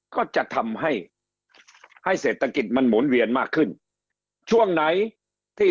ก็จะทำให้ให้เศรษฐกิจมันหมุนเวียนมากขึ้นช่วงไหนที่